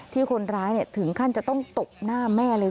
คนร้ายถึงขั้นจะต้องตบหน้าแม่เลย